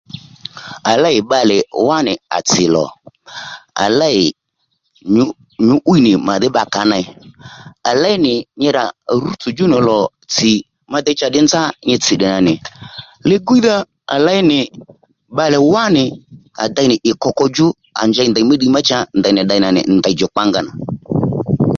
À lêy bbalè wánì à tsì lò à lêy nyǔ'wíy nyǔ'wíy nì màdhí bbakǎ ney à léy nì nyi rà rútsò djú nì lò tsì má déy nzá nyi tsì tdè nà nì li-gwíydha à léy bbalè wánì à dey nì ì koko djú à njey ndèymí ddiy má cha ndèy ddêy nà nì ndèy djùkpǎ nga nà